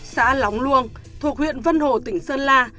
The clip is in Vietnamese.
xã lóng luông thuộc huyện vân hồ tỉnh sơn la